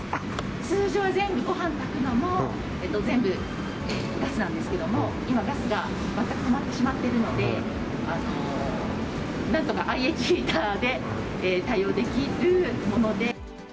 通常は全部、ごはん炊くのも、全部ガスなんですけども、今、ガスが全く止まってしまっているので、なんとかＩＨヒーターで対応できるもので。